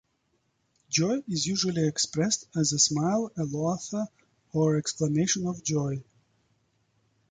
Joy is usually expressed as a smile, a laughter or exclamation of joy.